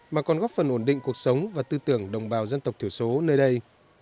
mà còn góp phần ổn định cuộc sống và tư tưởng đồng bào dân tộc thiểu số nơi đây